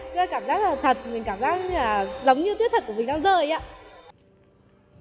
cứ cảm giác là thật mình cảm giác giống như là tuyết thật của mình đang rơi